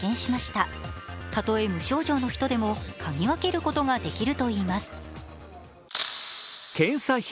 たとえ無症状の人でもかぎ分けることができるといいます。